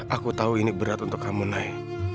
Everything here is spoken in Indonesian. aku tahu ini berat untuk kamu naik